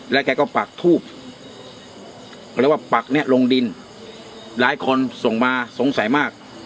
แล้วแกก็ปักทูบเขาเรียกว่าปักเนี่ยลงดินหลายคนส่งมาสงสัยมาก